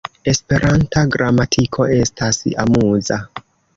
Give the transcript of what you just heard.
Esperanta gramatiko estas amuza!